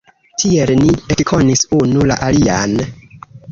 Tiel ni ekkonis unu la alian.